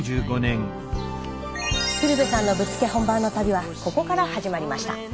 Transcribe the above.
鶴瓶さんのぶっつけ本番の旅はここから始まりました。